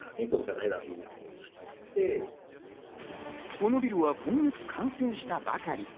このビルは今月完成したばかり。